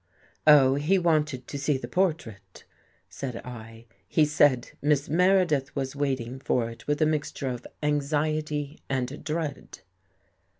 "" Oh, he wanted to see the portrait," said I. " He said Miss Meredith was waiting for It with a mixture of anxiety and dread."